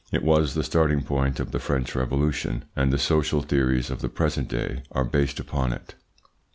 It was the starting point of the French Revolution, and the social theories of the present day are based upon it.